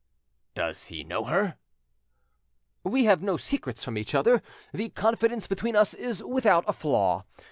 "Does he know her?" "We have no secrets from each other; the confidence between us is without a flaw.